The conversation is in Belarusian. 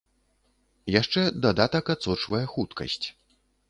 Яшчэ дадатак адсочвае хуткасць.